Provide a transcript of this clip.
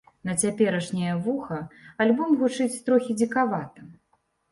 На цяперашняе вуха альбом гучыць трохі дзікавата.